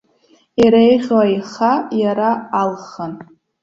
Иреиӷьу аиха иара алхын.